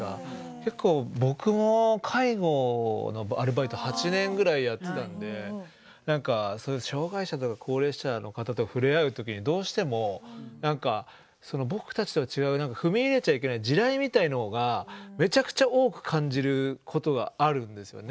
結構僕も介護のアルバイト８年ぐらいやってたんで障害者とか高齢者の方と触れ合う時にどうしても何か僕たちとは違う踏み入れちゃいけない地雷みたいなのがめちゃくちゃ多く感じることがあるんですよね。